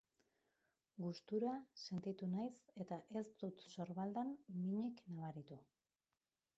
Gustura sentitu naiz eta ez dut sorbaldan minik nabaritu.